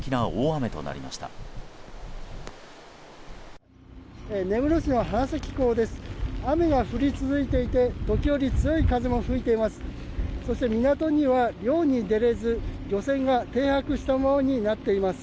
雨が降り続いていて時折、強い風も吹いています。